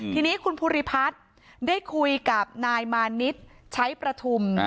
ทีนี้คุณภูริพัฒน์ได้คุยกับนายมานิดใช้ประทุม